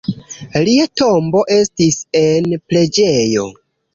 Lia tombo estis en preĝejo.